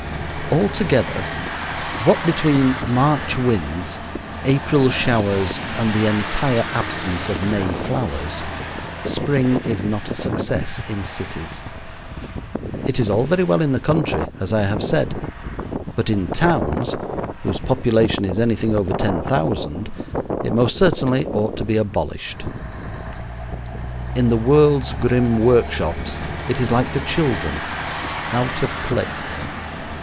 Altogether, what between March winds, April showers, and the entire absence of May flowers, spring is not a success in cities. It is all very well in the country, as I have said, but in towns whose population is anything over ten thousand it most certainly ought to be abolished. In the world's grim workshops it is like the children out of place.